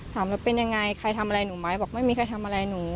ถามแล้วเป็นยังไงใครทำอะไรหนูไหมบอกไม่มีใครทำอะไรหนู